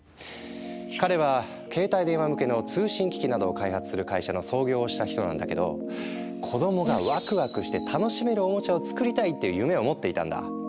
彼は携帯電話向けの通信機器などを開発する会社の創業をした人なんだけど子供がワクワクして楽しめるおもちゃを作りたいっていう夢を持っていたんだ。